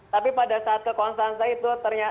tapi pada saat ke konstansi itu